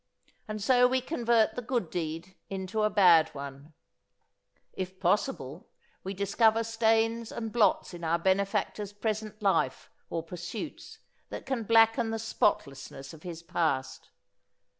And so we convert the good deed into a bad one; if possible, we discover stains and blots in our benefactor's present life or pursuits that can blacken the spotlessness of his past.